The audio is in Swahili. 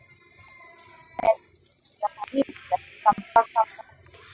ingine siku hizi za karibu itafika mpaka mozambiki